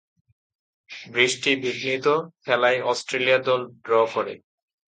বৃষ্টিবিঘ্নিত খেলায় অস্ট্রেলিয়া দল ড্র করে।